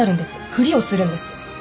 ふりをするんです